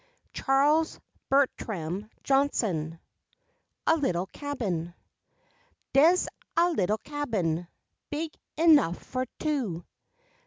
Charles Bertram Johnson A LITTLE CABIN Des a little cabin Big ernuff fur two.